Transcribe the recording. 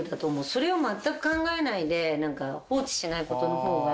それを全く考えないで放置しない事の方が。